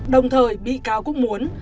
đồng thời bị cáo cũng muốn